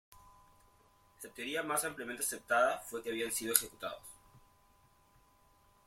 La teoría más ampliamente aceptada fue que habían sido ejecutados.